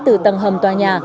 từ tầng hầm tòa nhà